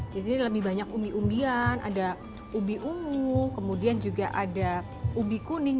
di sini lebih banyak umbi umbian ada ubi ungu kemudian juga ada ubi kuning